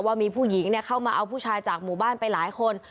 ว่ามีผู้หญิงเข้ามาเอาผู้ชายจากหมู่บ้านไปหลายคน